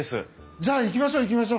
じゃあ行きましょ行きましょ。